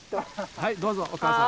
はいどうぞおかあさん。